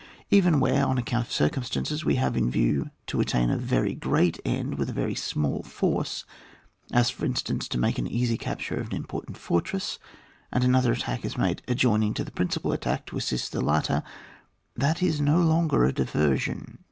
Even where, on account of circumstances, we have in view to attain a very great end with a very small force, as, for instance, to make an easy capture of an important fortress, and another attack is made adjoining to the principal attack, to assist the latter, that is no longer a diversion.